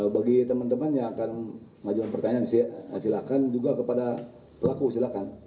bagi teman teman yang akan mengajukan pertanyaan silakan juga kepada pelaku silakan